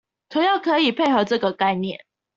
同樣可以配合這個概念